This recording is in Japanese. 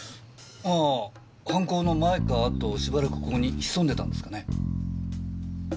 ああ犯行の前か後しばらくここに潜んでたんですかね？